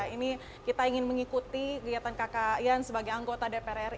ini kita ingin mengikuti kegiatan kakak ian sebagai anggota dpr ri